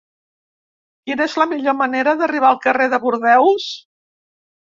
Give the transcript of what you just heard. Quina és la millor manera d'arribar al carrer de Bordeus?